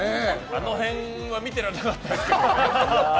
あの辺は見てられなかったですけど。